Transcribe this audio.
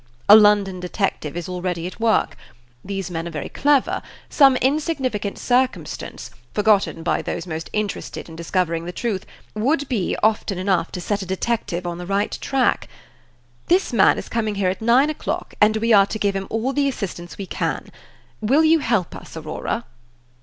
A London detective is already at work. These men are very clever; some insignificant circumstance, forgotten by those most interested in discovering the truth, would be often enough to set a detective on the right track. This man is coming here at nine o'clock, and we are to give him all the assistance we can. Will you help us, Aurora?"